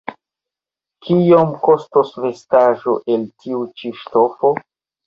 Kiom kostos vestaĵo el tiu ĉi ŝtofo?